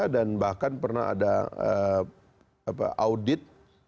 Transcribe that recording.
dan bahkan pernah ada audit